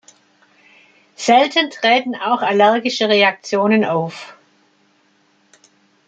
Selten treten auch allergische Reaktionen auf.